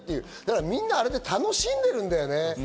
みんなあれで楽しんでるんだよね。